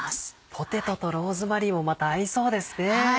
ポテトとローズマリーもまた合いそうですね。